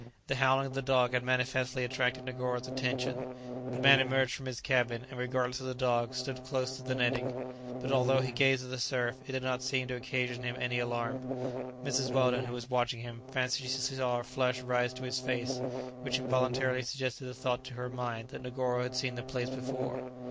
The howling of the dog had manifestly attracted Negoro's attention; the man emerged from his cabin, and, regardless of the dog, stood close to the netting; but although he gazed at the surf, it did not seem to occasion him any alarm. Mrs. Weldon, who was watching him, fancied she saw a flush rise to his face, which involuntarily suggested the thought to her mind that Negoro had seen the place before.